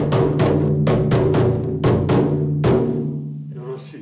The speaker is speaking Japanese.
よろしい。